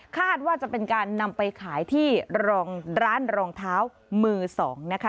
ว่าจะเป็นการนำไปขายที่รองร้านรองเท้ามือสองนะคะ